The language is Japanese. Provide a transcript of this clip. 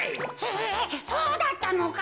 えそうだったのか。